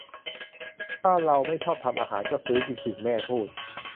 ถ้าเราไม่ชอบทำอาหาร ก็ซื้อกินสิ แม่พูด